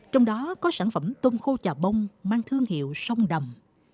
trong đó có sản phẩm tôm khô trà bông mang thương hiệu sông đầm